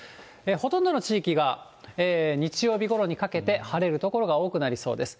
ほとんどの地域が日曜日ごろにかけて晴れる所が多くなりそうです。